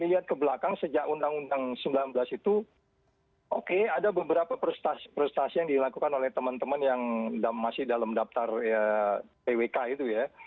kita lihat ke belakang sejak undang undang sembilan belas itu oke ada beberapa prestasi prestasi yang dilakukan oleh teman teman yang masih dalam daftar twk itu ya